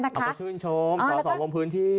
เขาก็ชื่นชมสอสอลงพื้นที่